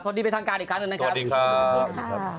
สวัสดีไปทางการ่์อีกครั้งหนึ่งนะครับสวัสดีครับ